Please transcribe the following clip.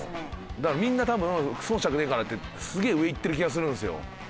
だからみんな多分損したくねえからってすげえ上いってる気がするんですよ。